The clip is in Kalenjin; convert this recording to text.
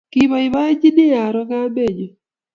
Kapoipoenji aro kamet nyu